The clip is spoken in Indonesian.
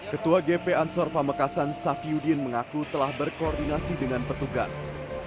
ketua gp ansor pamekasan safiuddin mengaku telah berkoordinasi dengan petugas